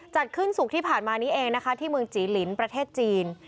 จัดขึ้นศุกร์ที่ผ่านมานี้เองนะคะที่เมืองจีลินประเทศจีน